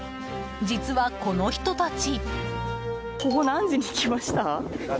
実は、この人たち。